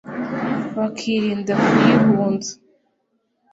Bakirinda kuyihunza